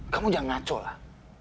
kamu jangan ngaco lah